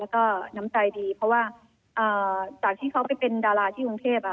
แล้วก็น้ำใจดีเพราะว่าจากที่เขาไปเป็นดาราที่กรุงเทพ